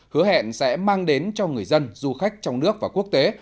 hứa hẹn sẽ mang đến cho người dân du khách trong nước và quốc tế